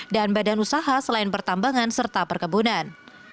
dan badan usaha selain pertambangan serta perkebunan